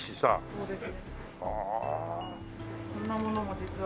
そうです。